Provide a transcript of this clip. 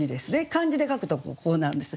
漢字で書くとこうなるんです。